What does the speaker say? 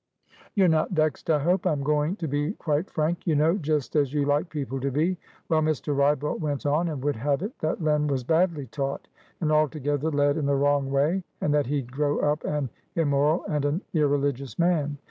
"You're not vexed, I hope? I'm going to be quite frank, you know, just as you like people to be. Well, Mr. Wrybolt went on, and would have it that Len was badly taught and altogether led in the wrong way, and that he'd grow up an immoral and an irreligious man.